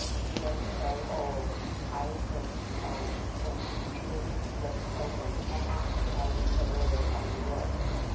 He was so old I was astonished when his drawn lips opened and he asked if I was the lawyer from New York.